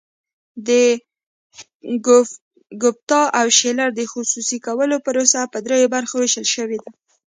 د ګوپټا او شیلر د خصوصي کولو پروسه په درې برخو ویشل شوې ده.